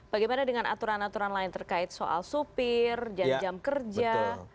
bagaimana dengan aturan aturan lain terkait soal supir jam jam kerja